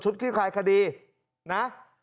ชุดคิดคลายคดีนะ